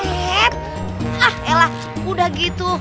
eh ah elah udah gitu